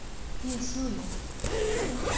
ええそうよ。